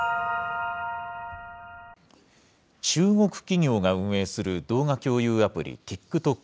中国企業が運営する動画共有アプリ、ＴｉｋＴｏｋ。